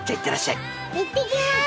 いってきます。